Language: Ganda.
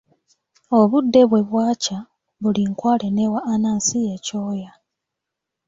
Obudde bwe bwakya, buli nkwale n'ewa Anansi ekyoya.